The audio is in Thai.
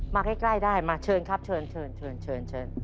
มาใกล้ได้มาเชิญครับเชิญ